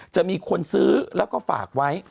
จะมีคนซื้อแล้วก็ฝากไว้